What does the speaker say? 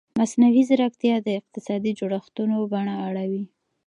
مصنوعي ځیرکتیا د اقتصادي جوړښتونو بڼه اړوي.